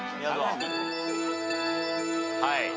はい。